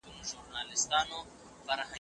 هغوی مڼې وخوړلې.